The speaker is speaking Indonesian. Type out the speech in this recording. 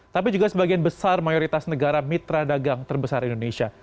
tapi juga sebagian besar mayoritas negara mitra dagang terbesar indonesia